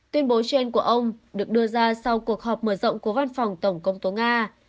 tuyên bố trên của ông được đưa ra sau cuộc họp mở rộng của văn phòng tổng công tố nga